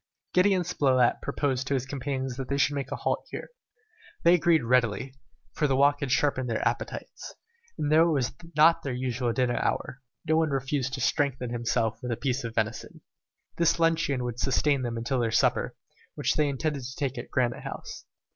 Gideon Spilett proposed to his companions that they should make a halt here. They agreed readily, for their walk had sharpened their appetites; and although it was not their usual dinner hour, no one refused to strengthen himself with a piece of venison. This luncheon would sustain them till their supper, which they intended to take at Granite House.